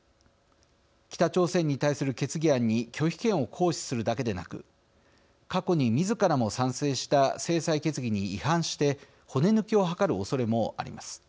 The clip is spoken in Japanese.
北朝鮮に対する決議案に拒否権を行使するだけでなく過去にみずからも賛成した制裁決議に違反して骨抜きを図るおそれもあります。